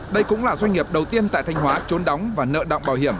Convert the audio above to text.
đây cũng là doanh nghiệp đầu tiên tại thanh hóa trốn đóng và nợ động bảo hiểm